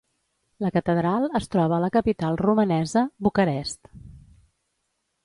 La catedral es troba a la capital romanesa, Bucarest.